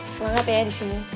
semangat ya disini